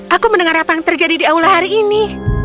aku mendengar apa yang terjadi di aula hari ini